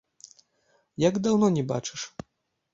Як даўно не бачыш?